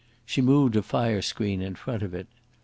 She moved a fire screen in front of it.